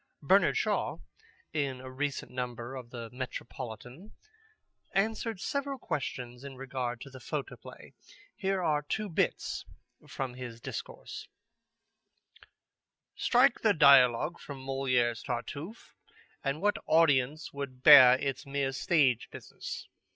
Bernard Shaw, in a recent number of the Metropolitan, answered several questions in regard to the photoplay. Here are two bits from his discourse: "Strike the dialogue from Molière's Tartuffe, and what audience would bear its mere stage business?